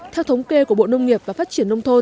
theo thống kê của bộ nông nghiệp và phát triển nông thôn